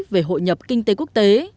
về hội nhập kinh tế quốc tế